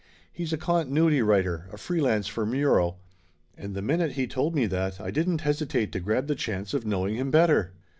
He's a continuity writer, a free lance for Muro. And the minute he told me that I didn't hesitate to grab the chance of knowing him better.